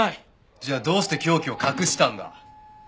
じゃあどうして凶器を隠したんだ？